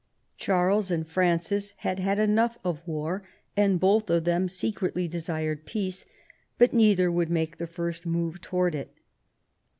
Charles and Francis had had enough of war, and both of them secretly desired peace, but neither would make the first move towards it.